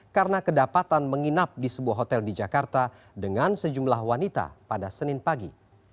karena kedapatan menginap di sebuah hotel di jakarta dengan sejumlah wanita pada senin pagi